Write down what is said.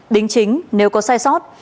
đính chính nếu có sai sót